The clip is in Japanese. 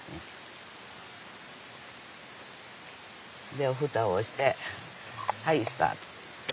で蓋をしてはいスタート。